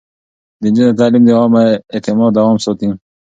د نجونو تعليم د عامه اعتماد دوام ساتي.